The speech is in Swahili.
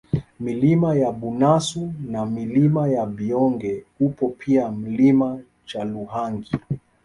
Milima ya Bunasu na Milima ya Byonge upo pia Mlima Chaluhangi